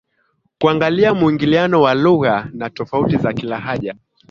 kuangalia muingiliano wa lugha na tofauti za kilahaja